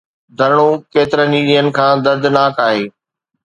ڌرڻو ڪيترن ئي ڏينهن کان دردناڪ آهي.